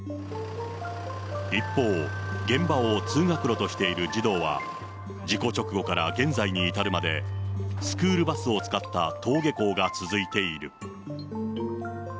一方、現場を通学路としている児童は、事故直後から現在に至るまで、スクールバスを使った登下校が続いている。